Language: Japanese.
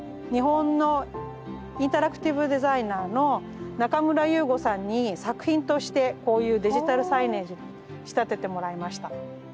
日本のインタラクティブデザイナーの中村勇吾さんに作品としてこういうデジタルサイネージに仕立ててもらいました。